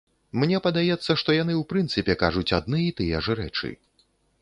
Мне падаецца, што яны ў прынцыпе кажуць адны і тыя ж рэчы.